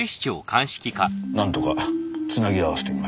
なんとか繋ぎ合わせてみました。